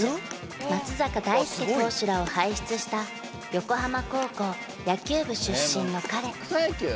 松坂大輔投手らを輩出した横浜高校野球部出身の彼草野球？